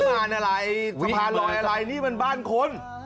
งานอะไรสะพานลอยอะไรนี่มันบ้านคน